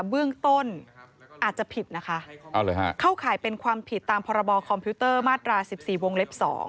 เปื่งต้นอาจจะผิดนะคะเข้าขายเป็นความผิดตามพคมมาตรา๑๔โวงเล็บ๒